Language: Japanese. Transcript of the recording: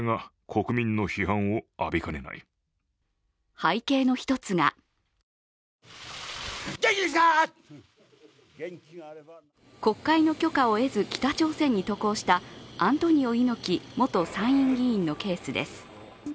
背景の一つが国会の許可を得ず北朝鮮に渡航したアントニオ猪木元参院議員のケースです。